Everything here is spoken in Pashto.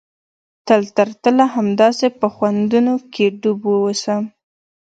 تل تر تله همداسې په خوندونو کښې ډوب واوسم.